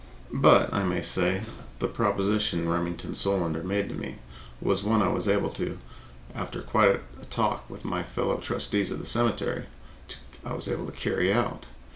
But, I may say, the proposition Remington Solander made to me was one I was able, after quite a little talk with my fellow trustees of the cemetery, to carry out.